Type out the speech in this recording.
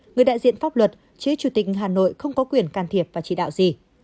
người đại diện pháp luật chứ chủ tịch hà nội không có quyền can thiệp và chỉ đạo gì